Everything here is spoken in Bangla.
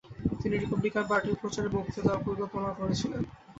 তিনি রিপাবলিকান পার্টির প্রচারে বক্তৃতা দেওয়ার পরিকল্পনাও করেছিলেন।